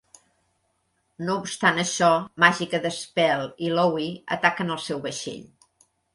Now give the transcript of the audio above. No obstant això, Magica De Spell i Louhi ataquen el seu vaixell.